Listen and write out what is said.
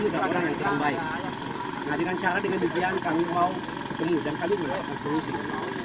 dengan cara dengan kebijakan kami mau dan kami mendapatkan solusi